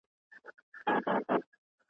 کمپيوټر نمبر ورکوي.